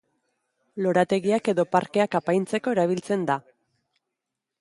Lorategiak edo parkeak apaintzeko erabiltzen da.